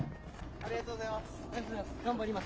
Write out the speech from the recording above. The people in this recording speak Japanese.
ありがとうございます。